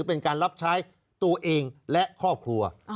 เป็นการรับใช้ตัวเองและครอบครัว